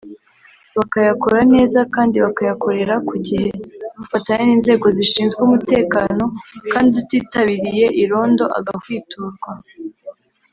bakayakora neza kandi bakayakorera ku gihe bafatanya n’inzego zishinzwe umutekano kandi utitabiriye irondo agahwiturwa